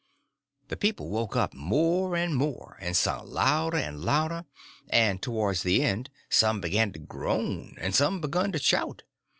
The people woke up more and more, and sung louder and louder; and towards the end some begun to groan, and some begun to shout.